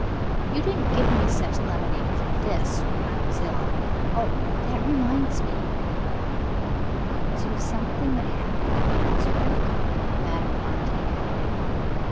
You didn't give me such lemonade as this, when I was ill Oh! that reminds me." "Reminds you of something that happened at Wurzburg?" Madame Fontaine inquired.